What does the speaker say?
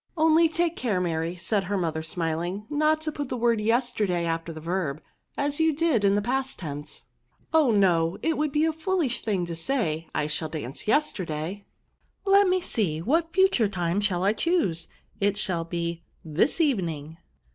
" Only take care, Mary, said her mother, smiling, " not to put the word * yesterday ' after the verb, as you did in the past tense." " Oh no ; it would be foolish to say, I shall dance yesterday. Let me see! what future time shall I choose ? it shall be ' this evening.'